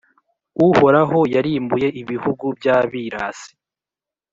Uhoraho yarimbuye ibihugu by’abirasi,